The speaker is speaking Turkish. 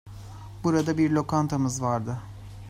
Burada bir lokantamiz vardı.